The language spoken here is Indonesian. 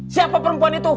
siapa perempuan itu